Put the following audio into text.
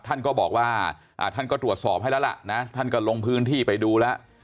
ท่านก็บอกว่าท่านก็ตรวจสอบให้แล้วล่ะนะท่านก็ลงพื้นที่ไปดูแล้ว